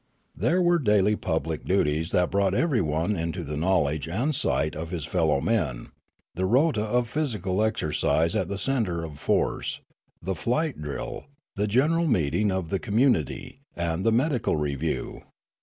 There were daily public duties that brought everyone into the knowledge and sight of his fellow men, the rota of physical exercise at the centre of force, the flight drill, the general meeting of the com munity, and the medical review.